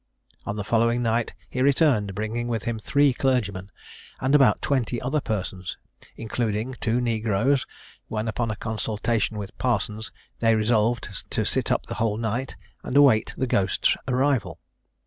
On the following night he returned, bringing with him three clergymen, and about twenty other persons, including two negroes, when, upon a consultation with Parsons, they resolved to sit up the whole night, and await the ghost's arrival.